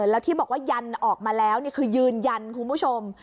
แล้วที่บอกว่ายันออกมาแล้วคือยืนยันคุณผู้ชม